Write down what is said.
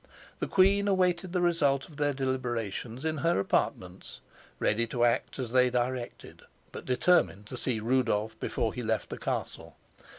The queen awaited the result of their deliberations in her apartments, ready to act as they directed, but determined to see Rudolf before he left the castle.